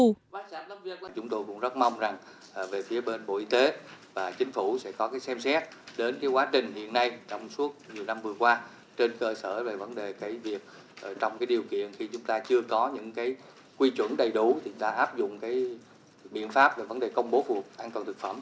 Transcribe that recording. chúng tôi cũng rất mong rằng về phía bên bộ y tế và chính phủ sẽ có xem xét đến quá trình hiện nay trong suốt nhiều năm vừa qua trên cơ sở về vấn đề việc trong điều kiện khi chúng ta chưa có những quy chuẩn đầy đủ thì ta áp dụng biện pháp về vấn đề công bố phù hợp an toàn thực phẩm